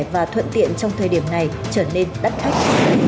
và thuận tiện trong thời điểm này trở nên đắt khách